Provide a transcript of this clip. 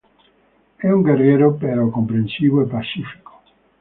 È un guerriero però comprensivo e pacifico.